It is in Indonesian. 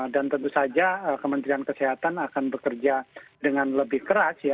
dan tentu saja kementerian kesehatan akan bekerja dengan lebih keras